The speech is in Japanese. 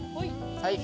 はい。